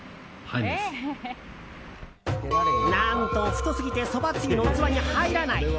何と、太すぎてそばつゆの器に入らない。